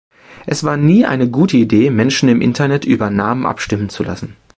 Es war nie eine gute Idee Menschen im Internet über Namen abstimmen zu lassen.